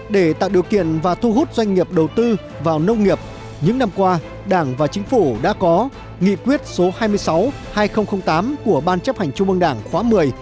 để tạo điều kiện và thu hút doanh nghiệp đầu tư vào nông nghiệp những năm qua đảng và chính phủ đã có nghị quyết số hai mươi sáu hai nghìn tám của ban chấp hành trung ương đảng khóa một mươi